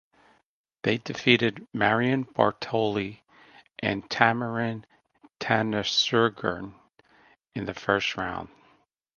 They defeated Marion Bartoli and Tamarine Tanasugarn in the first round.